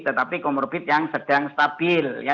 tetapi komorbid yang sedang stabil ya